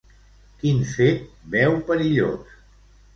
Quin fet veu perillós?